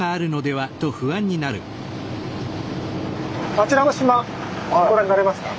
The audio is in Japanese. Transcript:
あちらの島ご覧になれますか？